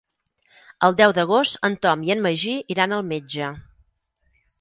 El deu d'agost en Tom i en Magí iran al metge.